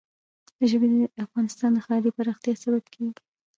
ژبې د افغانستان د ښاري پراختیا سبب کېږي.